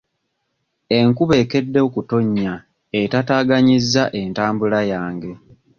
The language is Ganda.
Enkuba ekedde okutonnya etaataaganyizza entambula yange.